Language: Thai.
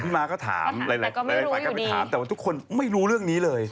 พี่มาก็ถามแต่ว่าทุกคนไม่รู้เรื่องนี้เลย